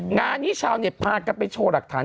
งานนี้ชาวเน็ตพากันไปโชว์หลักฐาน